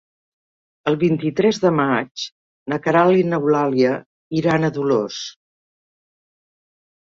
El vint-i-tres de maig na Queralt i n'Eulàlia iran a Dolors.